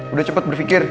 udah cepet berfikir